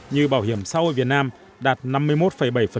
như bảo hiểm sau ở việt nam đạt năm mươi một bảy